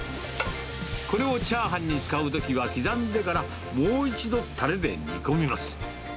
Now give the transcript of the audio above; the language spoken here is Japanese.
これをチャーハンに使うときは、刻んでから、もう一度たれで煮込みます。